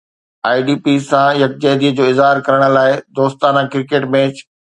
آئي D Ps سان يڪجهتي جو اظهار ڪرڻ لاءِ دوستانه ڪرڪيٽ ميچ